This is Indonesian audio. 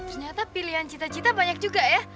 ternyata pilihan cita cita banyak juga ya